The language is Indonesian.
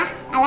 hei ina kenapa